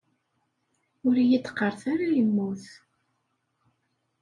Ur iyi-d-qqaret ara yemmut.